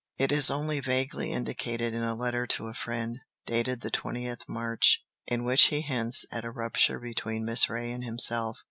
It is only vaguely indicated in a letter to a friend, dated the 20th March, in which he hints at a rupture between Miss Reay and himself.